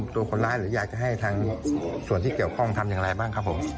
ตัวคนร้ายหรืออยากจะให้ทางส่วนที่เกี่ยวข้องทำอย่างไรบ้างครับผม